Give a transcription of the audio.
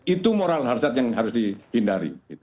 itu moral hazard yang harus dihindari